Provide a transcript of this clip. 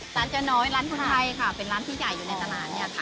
เจ๊น้อยร้านคนไทยค่ะเป็นร้านที่ใหญ่อยู่ในตลาดเนี่ยค่ะ